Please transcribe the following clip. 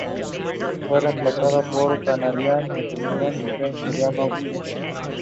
He appeared in eight of the nine matches.